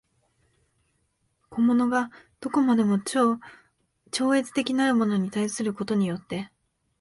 個物が何処までも超越的なるものに対することによって